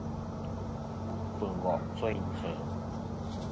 Ku fɨ ngo' feyn fɨ̀.